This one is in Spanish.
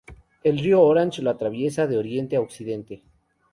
El río Orange lo atraviesa de oriente a occidente.